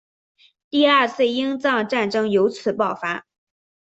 第二次英藏战争由此爆发。